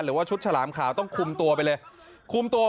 หรือว่าชุดฉลามขาวต้องคุมตัวไปเลยคุมตัวมาจากพื้นที่ป่า